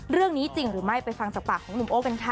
เรื่องนี้จริงหรือไม่ไปฟังจากปากของหนุ่มโอ้กันค่ะ